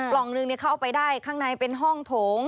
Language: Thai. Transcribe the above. ลองหนึ่งเข้าไปได้ข้างในเป็นห้องโถง